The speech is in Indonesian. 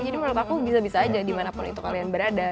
jadi menurut aku bisa bisa aja dimanapun itu kalian berada